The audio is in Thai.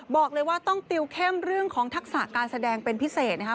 บอกเลยว่าต้องติวเข้มเรื่องของทักษะการแสดงเป็นพิเศษนะครับ